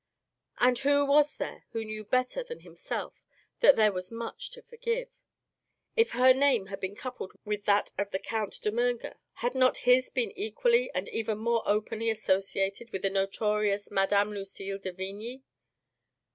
And who was there who knew better than him self that there was much to forgive ? If her name had been coupled with that of the Count de Miir ger, had not his been equally and even more openly associated with the notorious Mme. Lu cille de Vigny ?